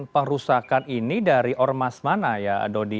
perusakan ini dari ormas mana ya dodi